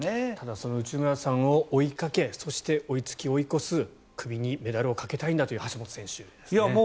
その内村さんを追いかけ追いつき、追い越す首にメダルをかけたいという橋本選手ですね。